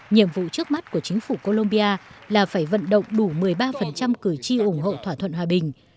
nhiệm vụ trước mắt của chính phủ colombia là phải vận động đủ một mươi ba cử tri ủng hộ thỏa thuận hòa bình